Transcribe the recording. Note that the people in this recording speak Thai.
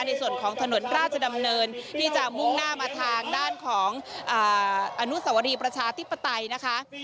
ในส่วนของถนนราชดำเนินที่จะมุ่งหน้ามาทางด้านของอนุสวรีประชาธิปไตยนะคะ